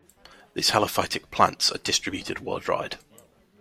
These halophytic plants are distributed worldwide.